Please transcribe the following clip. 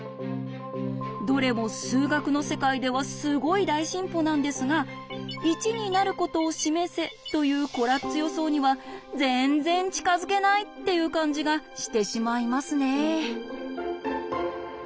どれも数学の世界ではすごい大進歩なんですが「１になることを示せ」というコラッツ予想には全然近づけないっていう感じがしてしまいますね。